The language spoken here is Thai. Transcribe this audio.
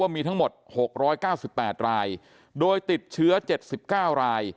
มีทั้งหมด๖๙๘รายโดยติดเชื้อ๗๙ราย